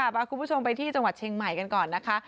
พาคุณผู้ชมไปที่จังหวัดเชียงใหม่กันก่อนนะคะ